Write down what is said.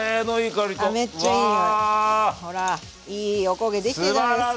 ほらいいおこげ出来てるじゃないですか！